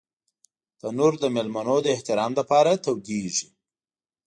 تنور د مېلمنو د احترام لپاره تودېږي